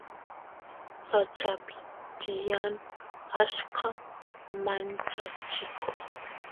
sachapi tiyan achka manchachiko